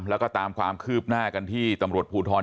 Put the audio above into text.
แล้วก็ตามความคืบหน้ากันที่ตำรวจภูทร